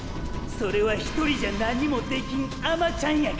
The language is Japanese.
それはひとりじゃ何もできん甘ちゃんやからや。